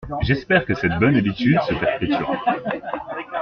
J’espère que cette bonne habitude se perpétuera.